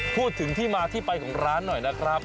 พูดถึงที่มาที่ไปของร้านหน่อยนะครับ